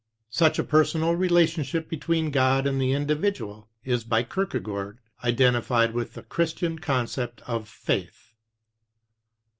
Such a personal relationship between God and the individual is by Kierkegaard identified with the Chris tian concept of Faith.